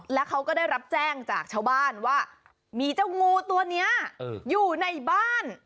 แล้วเขาก็ได้รับแจ้งจากชาวบ้านว่ามีเจ้างูตัวนี้อยู่ในบ้าน